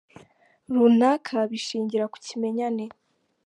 runaka bishingira ku kimenyane.